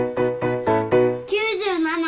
９７！